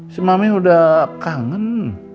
si mami udah kangen